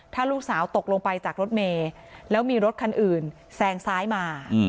ถ้าลูกสาวตกลงไปจากรถเมย์แล้วมีรถคันอื่นแซงซ้ายมา